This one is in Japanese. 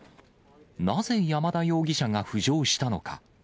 なぜ山田容疑者が浮上したのか。